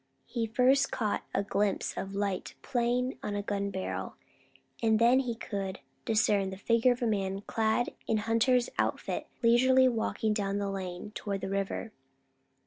He first caught a gleam of light playing on a gun barrel, and then he could discern the figure of a man clad in hunter's outfit leisurely walking down the lane, toward the river.